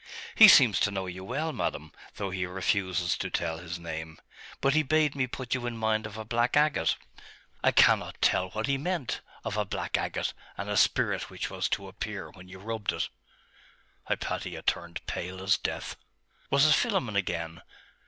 'He seems to know you well, madam, though he refuses to tell his name: but he bade me put you in mind of a black agate I cannot tell what he meant of a black agate, and a spirit which was to appear when you rubbed it.' Hypatia turned pale as death. Was it Philammon again?